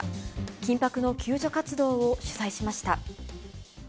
緊迫の救助活動を取材しました。